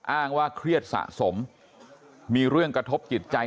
อ้างว่าเครียดสะสมมีเรื่องกระทบจิตใจ